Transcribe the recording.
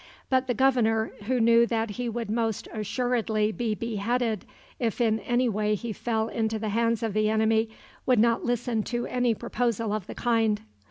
But the governor, who knew that he would most assuredly be beheaded if in any way he fell into the hands of the enemy, would not listen to any proposal of the kind.